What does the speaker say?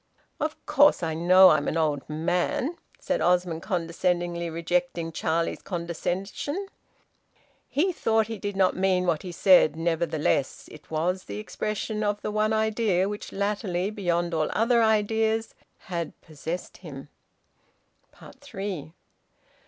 "Of course I know I'm an old man," said Osmond, condescendingly rejecting Charlie's condescension. He thought he did not mean what he said; nevertheless, it was the expression of the one idea which latterly beyond all other ideas had possessed him. THREE.